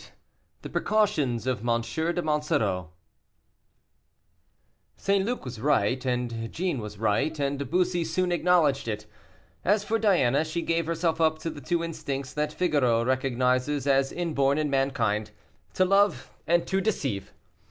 THE PRECAUTIONS OF M. DE MONSOREAU. St. Luc was right, and Jeanne was right, and Bussy soon acknowledged it. As for Diana, she gave herself up to the two instincts that Figaro recognizes as inborn in mankind, to love and to deceive.